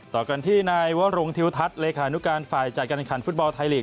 ต่อกันที่นายวรงทิวทัศน์เลขานุการฝ่ายจัดการขันฟุตบอลไทยลีก